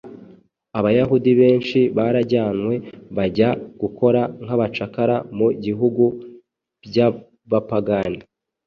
Abayahudi benshi barajyanywe bajya gukora nk’abacakara mu bihugu by’abapagani.